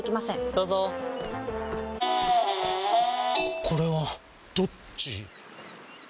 どうぞこれはどっち？